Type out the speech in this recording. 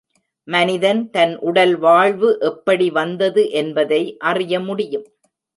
மனிதன் தன் உடல் வாழ்வு எப்படி வந்தது என்பதை அறிய முடியும்.